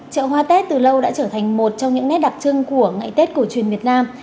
chợ hoa tết từ lâu đã trở thành một trong những nét đặc trưng của ngày tết cổ truyền việt nam